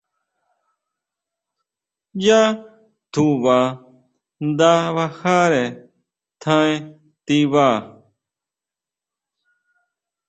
Yá tjuba nda bajare tjaen tiba.